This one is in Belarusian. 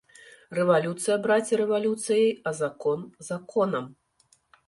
Рэвалюцыя, браце, рэвалюцыяй, а закон законам.